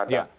oke baik ya